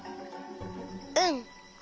うん。